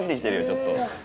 ちょっと。